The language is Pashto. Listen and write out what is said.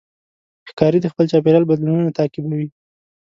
ښکاري د خپل چاپېریال بدلونونه تعقیبوي.